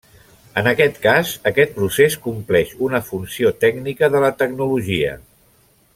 En aquest cas, aquest procés compleix una funció tècnica de la tecnologia.